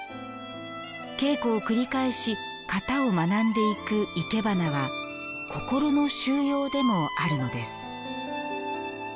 稽古を繰り返し型を学んでいくいけばなは心の修養でもあるのです。